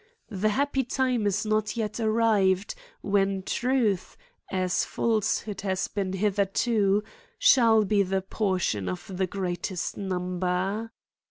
The happy time is not yet arrived, when truth, as falsehood has been hitherto, shall be the portion of the greatest number.